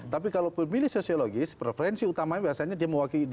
tapi kalau pemilih sosiologis preferensi utamanya biasanya dia mewakili